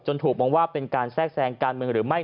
ถูกมองว่าเป็นการแทรกแซงการเมืองหรือไม่